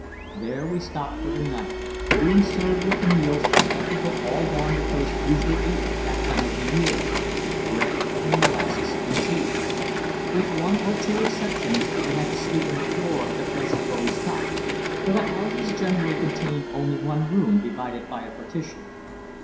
There we stopped for the night, being served with the meals that the people all down the coast usually eat at that time of the year bread and molasses and tea. With one or two exceptions we had to sleep on the floor at the places where we stopped; for the houses generally contained only one room divided by a partition.